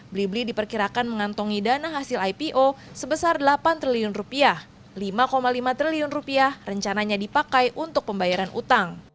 blibli diperkirakan mengantongi dana hasil ipo sebesar rp delapan triliun rp lima lima triliun rupiah rencananya dipakai untuk pembayaran utang